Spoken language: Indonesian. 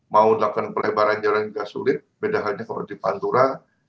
mau lakukan pelebaran jalan juga sulit beda hanya kalau di pantura